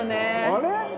あれ？